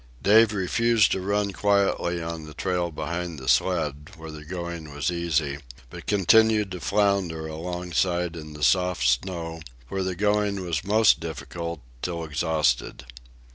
Dave refused to run quietly on the trail behind the sled, where the going was easy, but continued to flounder alongside in the soft snow, where the going was most difficult, till exhausted.